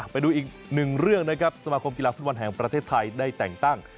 ไปดูอีกหนึ่งเรื่องนะครับสมาคมกีฬาฟุตบอลแห่งประเทศไทยได้แต่งตั้ง